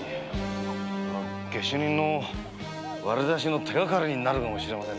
下手人の割り出しの手がかりになるかもしれませんね。